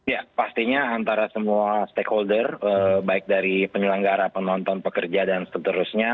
ya pastinya antara semua stakeholder baik dari penyelenggara penonton pekerja dan seterusnya